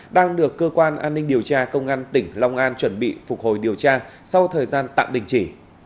đang được cơ quan an ninh điều tra công an tỉnh long an chuẩn bị phục hồi điều tra sau thời gian tạm đình chỉ